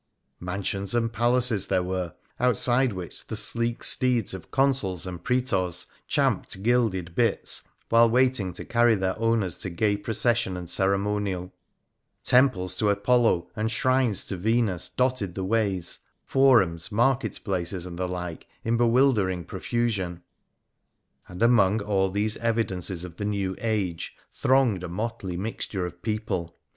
Mansions and palaces there were, outside which the sleek steeds of Consuls and Prastors champed gilded bits, while waiting to carry their owners to gay procession and ceremonial ; temples to Apollo, and shrines to Venus, dotted the ways, forums, market places, and the like in bewildering profusion. And among all these evidences of the new age thronged a motley mixture of people.